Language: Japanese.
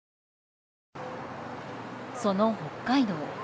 その北海道。